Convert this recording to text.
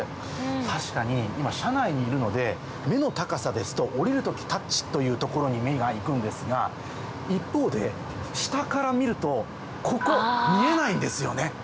確かに今車内にいるので目の高さですと「降りるときタッチ」というところに目がいくんですが一方で下から見るとここ見えないんですよね。